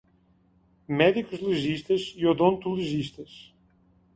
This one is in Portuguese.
Médicos legistas e odontolegistas